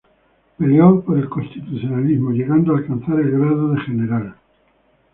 Peleó por el constitucionalismo, llegando a alcanzar el grado de general.